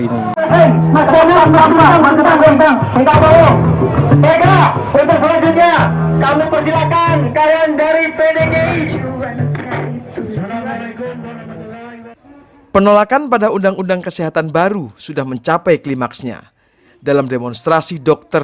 ini undang undang kesehatan baru sudah mencapai klimaksnya dalam demonstrasi dokter